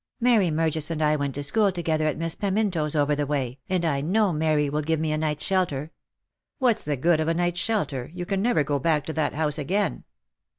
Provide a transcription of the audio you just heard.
Mary Murgis and I went to school together at Miss Peminto's over the way, and I know Mary will give me a night's shelter." "What's the good of a night's shelter? You can never go back to that house again."